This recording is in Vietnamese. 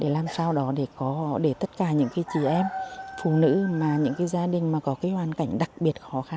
là một nơi ở ấm cúng để vơi bớt những khó khăn cho họ